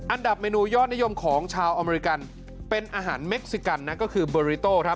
อันดับเมนูยอดนิยมของชาวอเมริกันเป็นอาหารเม็กซิกันนะก็คือเบอร์ริโต้ครับ